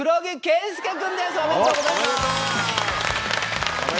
おめでとうございます！